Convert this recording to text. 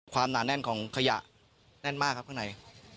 หนาแน่นของขยะแน่นมากครับข้างใน